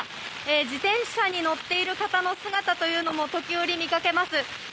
自転車に乗っている方の姿というのも時折、見かけます。